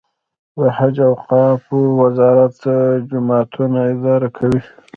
د حج او اوقافو وزارت جوماتونه اداره کوي